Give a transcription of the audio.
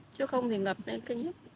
chứ không thì ngập lên kinh hết